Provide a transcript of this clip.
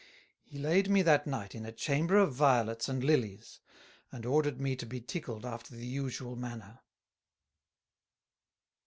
He laid me that Night in a Chamber of Violets and Lillies, [and] ordered me to be tickled after the usual manner.